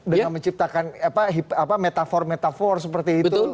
dengan menciptakan metafor metafor seperti itu